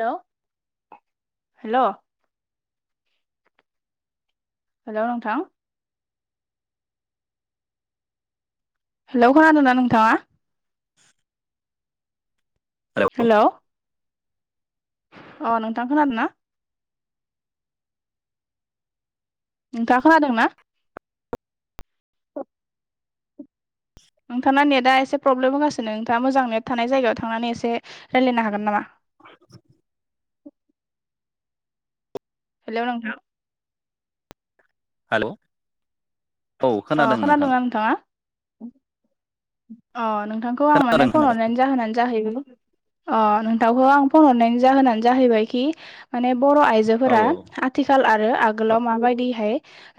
हेल' hello hello नोंथां hello खोनादोंना नोंथाङा? [inaudible] हेलौ हेल अ' नोंथां खोनादोंना? नोंथाङा खोनादोंना नोंथाङा नेटआ एसे प्रब्लेम होगानो नोंथाङा मोजां नेट थानाय जायगायाव थांनानै एसे रायलायनो हागोन नामा हेल नोंथां हेल औ अ खोनादों नोंथां खोनादोंना नोंथाङा अ नोंथांखौ आं खोनादों माने फन खोनादों हरनायनि जाहोनानै जाहैयो अ नोंथांखौ आं फन हरनायनि जाहोनानो जाहैबायखि माने बर' औ आइजोफोरा औ आथिखाल आरो आगोलाव माबायदिहाय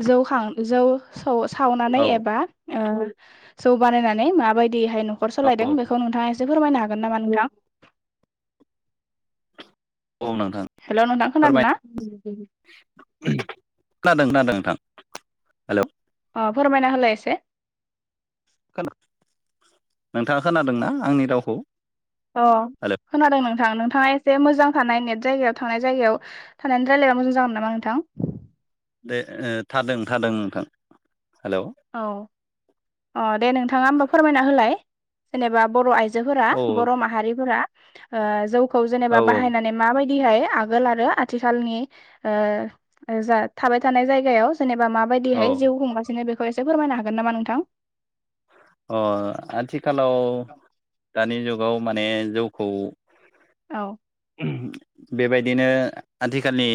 जौ हां जौ खौ सावनानै औ एबा ओ जौ बानायनानै मा बायद यैहाय नखर सालायदों औ बेखौ नोंथासे फोरमायनो हागोन नामा नोंथां औ नोंथां हेल' नोंथां खोनादों फोरमाय ना? खोनादों खोनादों नोंथां हेल अ फोरमायना होलाय एसे खोना नोंथाङा खोनादोंना आंनि रावखौ अ हेलौ खोनादों नोंथां नोंथाङाय जे मोजां थानाय नेट जायगायाव थानाय जायगायाव थानाय रायलायबा मोजां नामा नोंथां दे ओ थादों थादों नोंथां हेलौ औ अ दे नोंथाङा होमबा फोरमायना होलाय जेनेबा बर आइजो जोफोरा औ बरमाहारिफोराओ जौखौ औ जेनोबा औ बाहायनानै माबायदि दिहै आगोल आरो आथिखालनि ओ ओ जाय थाबाय थानाय जायगायाव सोने बा मा औ बायदिहाय जिउ खुंगासिनो फोरमायनो हागोन नोंथां अ आथिखालाव दानि जुगाव माने जौखौ औ बेबायदिनो आथिखालनि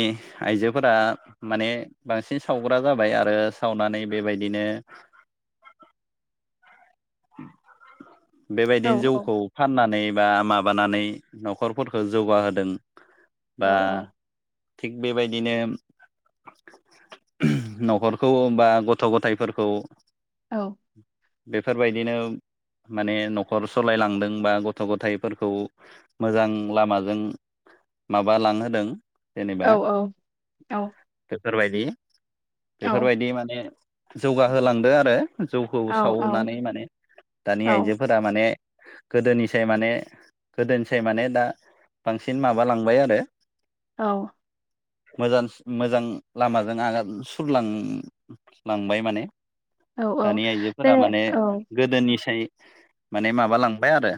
आइजोफोरा माने बांसिन सावग्रा बा जाबाय आरो सावनानै बेबायदिनो [inaudible] औ बेबायदिनो औ जौखौ फाननानै बा माबानानै नखरफोरखौ जौगाहोदों बा औ औ थिग बेबायदिनो न'खरखौ बा गथ गथायाइफोरखौ औ बेफोरबायदिनो माने नखर सालायलांदों बा गथ' गथायाइफोरखौ मोजां लामाजों माबा लांहोदों औ जेनेबा औ औ बेफोरबायदि औ बेफोरबायदि माने जौगाहोलांदो आरो जौखौ औ सावनानै माने दानि आइजोफोरा माने गोदोनिसाय माने गोदोनिसाय माने दा बांसिन माबालांबाय आरो औ मोजां मोजां लामाजों आगान सुरलांलांबाय माने औ औ दानि जेरै आइजोफोरा माने औ गोदोनिस माने माब लांबाय आरो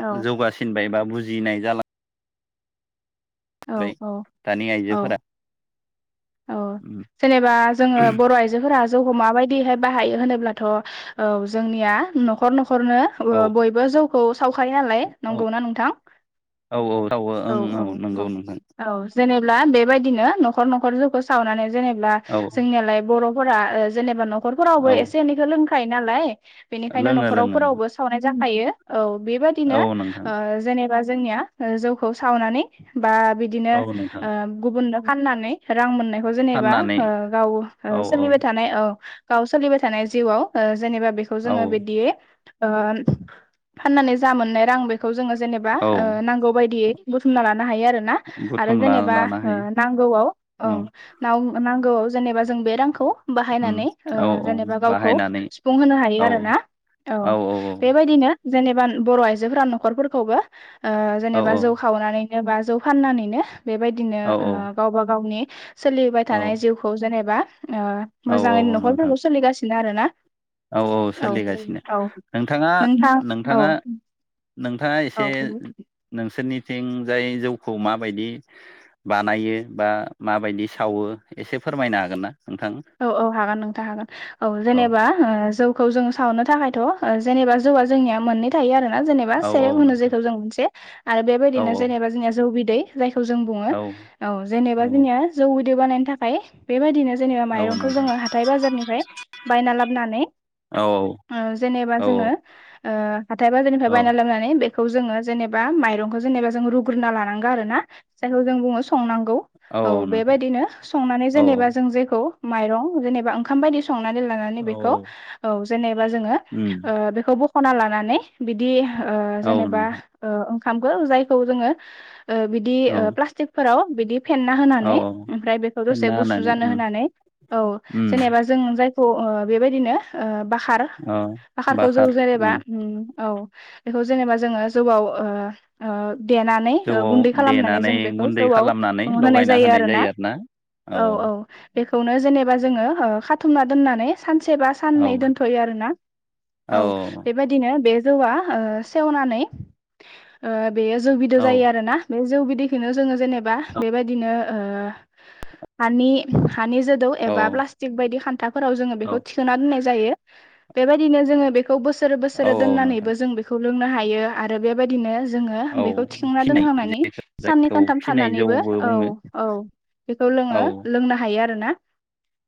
औ जौगासिनबाय बा बुजिनाय जालां नै औ औ दानि औ आइजोफोरा जेनेबा जोङो बर' आइजोफोरा जोङो मा बायदि बायो होनोब्लाथ' जोंनिया न'खर न हरनो औ बयबो जौखौ सावखायालाय नंगौना नोंथां औ औ ओ औ नंगौ औ नोंथां जेनेबला बेबायदिनो न'खर न'खर जौखौ सावनानै जेनेब्ला औ जोंनियालाय बर' फोरा ओ जेनेबा न'खरफोरावबो औ एसे एनैखौ लोंखायो नालाय बेनिखायनो लोङो न'खराव लोङो फोरावबो सावनाय जाखायो औ औ बेबादिनो नोंथां ओ जेनेबा जोंनिया जौखौ सावनानै बा बिदिनो औ नोंथां ओ गुबुननो फाननानै रां मोननायखौ जेनेबा फाननानै ओ गाव औ ओ औ सोलिबाय थानाय औ गाव सोलिबाय थानाय जिउआव ओ जेनेबा बेखौ औ जोङो बिदियै ओ म फाननानै जा मोननाय रां बेख बेखौ जोङो जेनेबा औ ओ नांगौ बायदियै बुथुमना लान हायो आरो ना आरो बुथुमना जेनेबा लानो हायो नांगौ आव औ ना नांगौआव जेनेबा जों बे रांखौ उम बाहायनानै ओ औ औ जेनेबा गावखौ बाहायनानै सुफुंहोनो औ हायो आरो ना औ बेबायदिनो जेनेबा बर' आइजोफोरा न'खरफोरखौबो ओ औ जेनेबा जौ खावनानै एबा जौ फाननानैनो बेबायदिनो औ औ गावबा गावनि सोलिबाय थानाय औ जिउखौ जेनेबा ओ औ मोजाङै औ नोंथां न'खरफोरखौ सोलिगासिनो आरोना औ औ सोलिगासिनो नोंथाङा नोंथां औ नोंथाङा नोंथाङा एसे औ नोंसोरनि थिंजाय जौखौ माबायदि बानायो बा माबायदि सावो एसे फोरमायनो हागोन ना नोंथां औ औ हागोन नोंथां हागोन औ जेनेबा ओ जौ खौ जों सावनो थाखायथ' जेनेबा जौवआ जोंनिया मोननै थायो आरो बा जेनेबा औ औ सेरेब होनो नोंथां जेखौ जों मोनसे आरो औ बेबायदिनो जेनेबा जोंनिया जौ बिदै जायखौ जों बुङो औ औ जेनेबा औ जोंनिया जौ बिदै बानायनो थाखाय बेबायदिनो ज औ माइरंखौ नोंथां जोङो हाथाय बाजारनिफ्राय बायना लाबोनानै औ ओ जेनेबा औ जोङो ओ हाथाय बाजारनिफ्राय औ बायना लाबनानै बे खौ जोङो जेनेबा माइरंखौ जेनेबा जों रुग्रोना लानांगौ आरो ना जायखौ जों बुङो संनांगौ औ बेबायदिनो संनानै औ जेनेबा जों जेखौ माइरं जेनेबा ओंखाम बायदि स संनानै लानानै बेखौ औ जेनेबा जोङो उम ओ बेखौ बख खना लानानै बिदिह ओ औ जेनेबा नोंथां ओ ओंखामखो जायखौ जोङो ओ बिदि ओ औ प्लास्टिकफोराव बिदि फेन्ना औ होनानै ओमफ्राय बेखौ दसे फेन्ना गुसु होनानै जानो उम होनानै अ उम जेनेबा जों जायखौ ओ बेबायदिनो ओ बाख खार औ बाखारखौ जों बाखार जेनेबा उम औ बेखौ जेनेबा जोङो जौआव ओ ओ देनानै ओ जौआव गुन्दै खालामनानै देनानै जों बेखौ गुन्दै जौआव खालामनानै होनाय लगायना जायो आरोना औ औ बेखौनो जेनेबा जोङो ओ खाथुमना दोननानै सानसे बा औ साननै दोनथ'यो आरोना। औ बेबायदिनो बे जौआ ओ सेवनानै बेयो जौ बिदो औ जायो आरोना बे जौ बिदिखनो जोङो जेनेबा बेबायदिनो ओ हानि हानि जोदौ एबा औ प्लास्टिक बायदि खान्थाफोराव जोङो बेखौ औ थिखोना दोन्नाय ज जायो। बेबायदिनो जोङो बेखौ बोसोर औ बोसोर औ नोंथां दोननानैबो जों बेखौ लोंनो हायो आरो बेबायदिनो। जोङो औ बेखौ फिनाय थिखांनानै साननै औ सानथाम फिनाय थानानैबो जौबो औ बुङो औ। बेखौ लोङो औ लोंनो हायो आरोना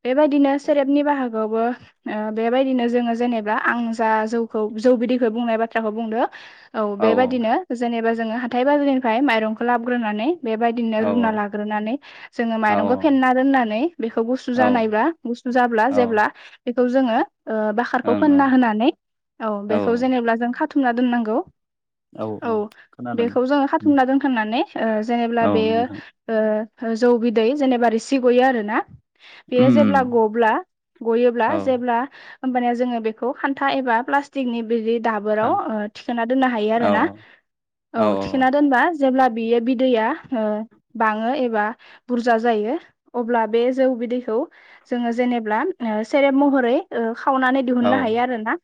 बेबायदिनो सेरेबनि बाहा बेवबो बेबायदिनो जोङो जेनेबा आं जा जौखौ जौ बिदैखौ बुंनाय बाथ्राखौ बुंदो। औ बेबायदिनो जेनेबा जोङो हाथाय बाजारनिफ्राय माइरंखौ लाबोग्रोनानै। बेबायदिनो औ रुना लाग्रोनानै जोङो औ माइरंखौ फेनना दोननानै। बेखौ गुसु औ जानाय गुसु जाब्ला औ जेब्ला बेखौ जोङो। ओ बाखारखौ ओं फोनना होनानै औ बेखौ ओं जेनेबा जों खाथुमना दोननांगौ। औ बेखौ जोङो खाथुमना दोनखांनानै जेनेब्ला औ बेयो नोंथां ओ जौ बिदै जेनेबा रिसि गयो आरो ना। बेयो उम जेब्ला गब्ला गयोब्ला औ जेब्ला। होनबानिया जोङो बेखौ खान्था एबा प्लास्टिकनि। बिदि औ दाबोराव थिखोनना दोननो हायो आरो ना औ औ थिखना दोनबा। जेब्ला बियो बिदैया ओ बांङो एबा बुरजा जायो अब्ला बे। जौ बिदैखौ जोंङो जेनेब्ला सेरेब महरै। खावनानै औ दिहुननो हायो आरोना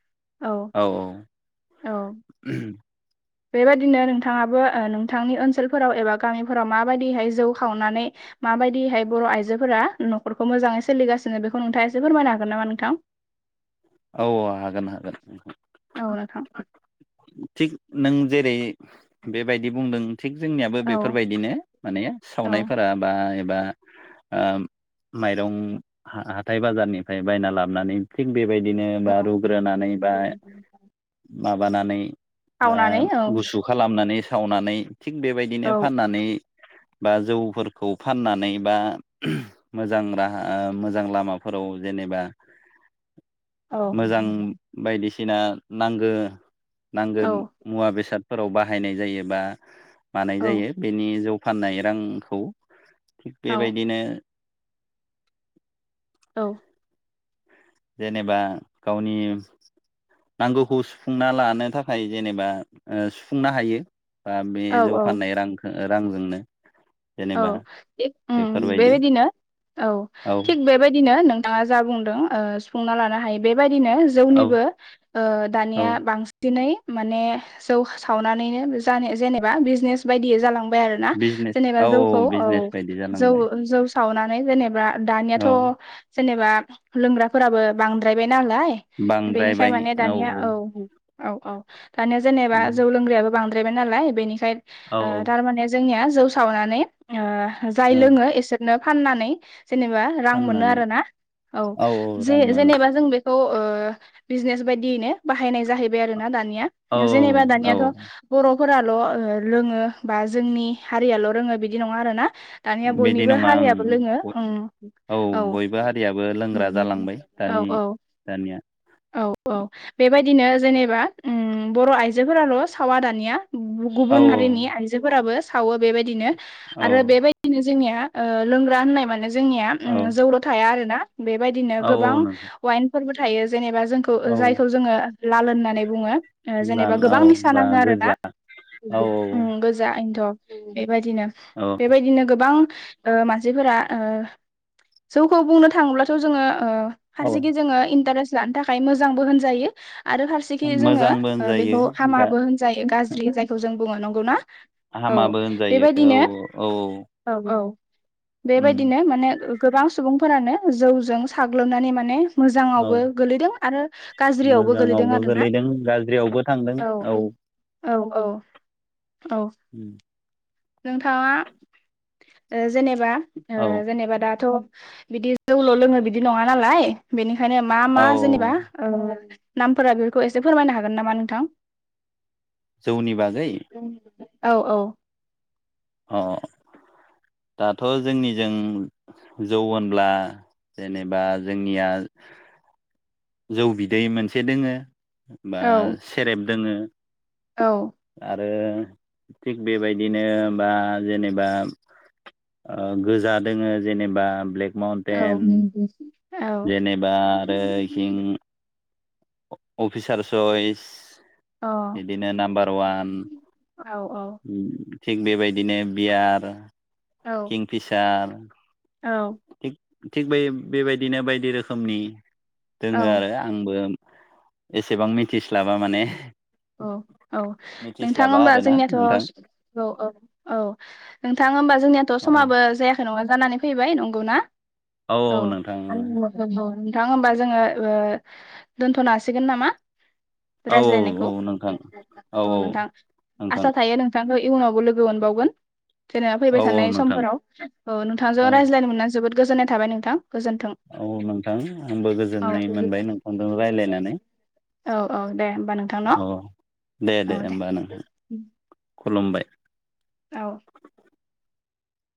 औ औ। बेबायदिनो नोंथाङाबो नोंथांनि ओनसोलफोराव एबा गामिफोराव माबायदिहै जौ खावनानै म माबायदिहाय बर आइजोफोरा। नखरखौ मोजांङै सोलिगासिनो बेखौ नोंथाङा एसे फोरमायनो हागोन नामा नोंथां। औ औ हागोन हागोन। खां [unintelligible] थिग नों जेरै बेबायदि बुंदों थिग जोंनियाबो औ बेफोरबायदिनो माने औ सावनायफोरा बा बा ओ माइरं हाथाय बाजारनिफ्राय बायना लाबोनानै। बेबायदिनो औ बा रुग्रोनानै बा माबानानै। बा सावनानै औ गुसु खालामनानै सावनानै थिग बेबायदिनो औ फाननानै। [inaudible] बा जौफोरखौ फाननानै बा मोजां राहा मोजां लामाफोराव जेन। जेनबा [inaudible] औ मोजां बायदिसिना नांगौ। नांगौ औ मुवा बेसादफोराव बाहायनाय जायो बा मानाय जायो बेनि जौं। फाननाय रांखौ थिग बेबायदिनो औ। जेनेबा गावनि नांगौखौ सुफुंना लानो थाखाय जेनेबा सुफुंनो हायो। बा बे औ जौ औ फाननाय रांखो रांजोंनो। औ जेनेबा एक ओ थिग बेफोरबायदि बेबायदिनो औ थिग बेबायदिनो नों बिथांङा जा बुंदों सुफुंना लानो हायो बे बेबायदिनो औ जौनिबो ओ औ दानिया बांसिनै माने जौ सावनानैनो जनो जेनेबा बिजनेस बायदियै जालां। मोनबाइ आरो ना बिजनेस औ जौखौ बिजनेस औ बायदि जालांबाय जौऔ जौं संबाय। सावनानै जेनेबा दानियाथ' औ जेनेबा लोंग्राफोराबो बांद्रायबाय। नालाय बेनिखाय माने दानिया औ औ औ दानिया जेनेबा जौ लोंग्रायाबो बांद्रायबाय नालाय बेनिखाय औ ओ थारमाने जोंनिया जौ सावनानै। ओ जाय औ लोंङो एसोरनो फाननानै। जेनेबा रां मोनो फाननानै आरो ना औ औ जे रां मोनो जेनेबा जों बेखौ। ओ बिजनेस बायदियैनो बाहायनाय जाहैबाय आरोना दानि औ जेनेबा औ दानियाथ' बर' फोराल रोङो बा जोंनि हारियाल रोंङो बिदि नङा आरो ना। दानिया बिदि बयनिबो नङा हारियाबो लोंङो ओं उम औ बयबो हारियाबो लोंग्रा जालांबाय दानि औ औ दानिया औ बेबायदिनो जेनेबा उम बर आइजोफोराल सावा दानिया औ गुबुन हारिनि आइजोफोराबो सावो बेबायदिनो औ आरो बेबायदिनो जोंनिया ओ लोंग्रा होननाय माने जोंनिया औ उम जौल थाया आरो ना बेबायदिनो औ गोबां औ नंगौ वाइनफोरबो थायो जेनेबा जोंखौ औ जायखौ जोंङो लाल होननानै बुंङो जेनेबा लाल औ गोबां निसा बा नांङो आरो ना गोजा औ उम गोजा एन्थ' बेबायदिनो औ बेबायदिनो गोबां ओ मानसिफोरा ओ जौखौ बुंनो थाङोब्लाथ' जोंङो ओ औ फारसेखै जोंङो इन्टारेस्ट लानो थाखाय मोजांबो होनजायो आरो फारसेखि औ जोंङो मोजांबो ओ होनजायो बेखौ दा हामाबो होनजायो गाज्रि जायखौ जों बुंङो नंगौना औ हामाबो होनजायो औ बेबायदिनो औ औ उम बेबायदिनो माने गोबां सुबुंफोरानो जौजों साग्लोबनानै माने औ मोजाङावबो गोलैदों आरो गाज्रियावबो गोलैदों मोजाङावबो आरो ना गोलैदों गाज्रियावबो थांदों औ औ औ औ उम नों थाङा ओ जेनेबा ओ औ जेनेबा दाथ' बिदि जौल' लोंङोनो बिदि नङा नालाय बेनिखायनो मा औ मा जेनेबा ओ नामफोरा बेफोरखौ एसे फोरमायनो हागोन नामा नोंथां जौनि बागै औ औ अह दाथ' जोंनिजों जौ होनब्ला जेनेबा जोंनिया जौ बिदै मोनसे दोङो बा औ सेरेब दोङो औ आरो थिग बेबायदिनो बा जेनेबा ओ गोजा दोङो जेनेबा ब्लेक औ माउन्टेन नंगौ जेनेबा आरो हिं अफिसार सइस बिदिनो नाम्बार वान औ औ उम थिग बेबायदिनो बियार किंफिसार औ थिग थिग बे बेबायदिनो बायदि रोखोमनि औ दोङो आरो आंबो एसेबां मिथिस्लाबा माने औ औ नोंथां मिथिस्लाबा होमबा आरोना जोंनियाथ' औ नोंथां औ औ नोंथां होमबा जों जोंयाथ' औ समाबो जायाखै नङा जानानै फैबाय नंगौना औ [unintelligible] नोंथां होमबा जोङो ओ दोनथ'नांसिगोन नामा औ रायज्लायनायखौ औ औ नोंथां औ औ नोंथां आसा नोंथां थायो नोंथांखौ इयुनावबो लोगो मोनबावगोन जेनेबा फैबाय औ औ थानाय नोंथां समफोराव नोंथांजों औ रायज्लायनो मोननानै जोबोद गोजोननाय थाबाय नोंथां गोजोन्थों औ नोंथां आंबो औ गोजोननाय मोनबाय नोंथांजों रायलायनानै औ औ दे होमबा नोंथां न' दे दे होमबा नोंहा खुलुमबाय औ